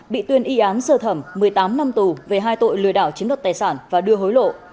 bị tuyên y án sơ thẩm một mươi tám năm tù về hai tội lừa đảo chiếm đoạt tài sản và đưa hối lộ